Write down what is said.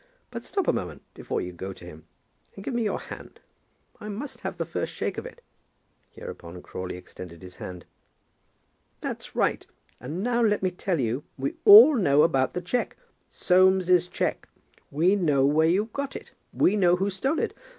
"But stop a moment before you go to him, and give me your hand. I must have the first shake of it." Hereupon Crawley extended his hand. "That's right. And now let me tell you we know all about the cheque, Soames's cheque. We know where you got it. We know who stole it.